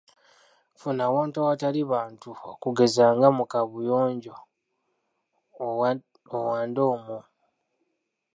Funa awantu awatali bantu okugeza nga mu kaabuyonjo owande omwo.